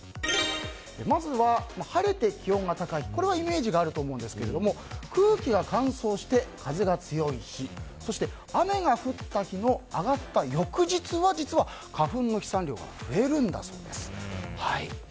まずは晴れて気温が高いこれはイメージがあるんと思うんですが空気が乾燥して風が強い日そして、雨が上がった翌日は実は花粉の飛散量が増えるんだそうです。